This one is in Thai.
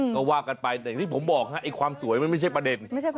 ก็ว่ากันไปแต่อย่างที่ผมบอกฮะไอ้ความสวยมันไม่ใช่ประเด็น